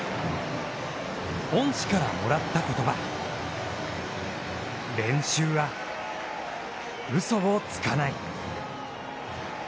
恩師からもらった言葉練習はうそをつかない。